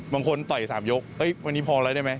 บางคนต่อย๓ยกวันนี้พอแล้วได้มั้ย